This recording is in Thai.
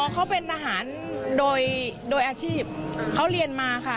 เขาเป็นทหารโดยอาชีพเขาเรียนมาค่ะ